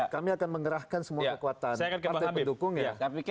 kami akan mengerahkan semua kekuatan partai pendukung ya